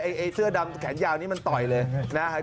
ไอ้เสื้อดำแขนยาวนี้มันต่อยเลยนะครับ